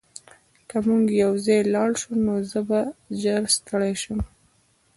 که موږ یوځای لاړ شو نو زه به ژر ستړی شم